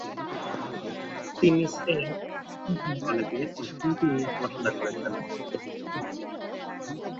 তিনি Saint Stephen কলেজে অর্থনীতি নিয়ে পড়াশোনা করেছেন।